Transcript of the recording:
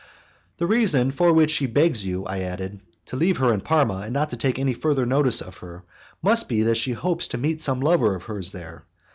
"The reason for which she begs you," I added, "to leave her in Parma and not to take any further notice of her, must be that she hopes to meet some lover of hers there.